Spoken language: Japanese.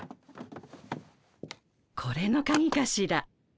これのカギかしら？